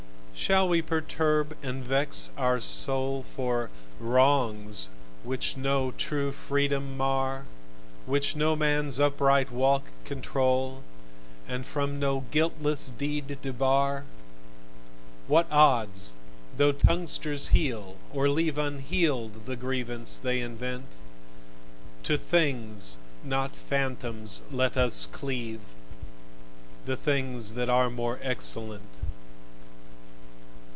Shall we perturb and vex our soul For "wrongs" which no true freedom mar, Which no man's upright walk control, And from no guiltless deed debar? What odds though tonguesters heal, or leave Unhealed, the grievance they invent? To things, not phantoms, let us cleave The things that are more excellent.